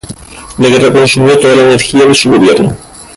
La guerra consumió toda la energía de su gobierno.